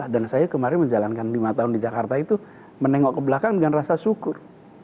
dan saya kemarin menjalankan lima tahun di jakarta itu menengok ke belakang dengan rasa syukur